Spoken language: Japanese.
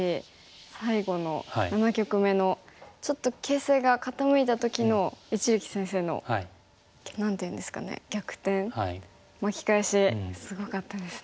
最後の７局目のちょっと形勢が傾いた時の一力先生の何て言うんですかね逆転巻き返しすごかったですね。